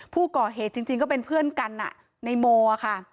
ผู้ก่อเหตุจริงก็เป็นเพื่อนกันในโมอะค่ะ